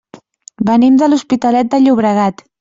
Venim de l'Hospitalet de Llobregat.